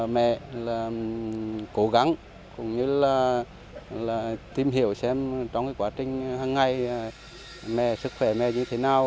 mẹ cố gắng tìm hiểu xem trong quá trình hàng ngày mẹ sức khỏe như thế nào